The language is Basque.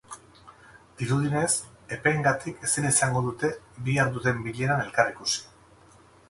Dirudienez, epeengatik ezin izango dute bihar duten bileran elkar ikusi.